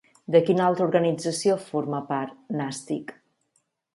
De quina altra organització forma part, Nastic?